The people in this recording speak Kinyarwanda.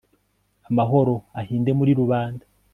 Amahoro ahinde muri rubanda